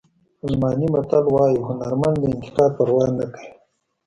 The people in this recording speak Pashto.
الماني متل وایي هنرمند د انتقاد پروا نه کوي.